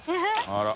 あら。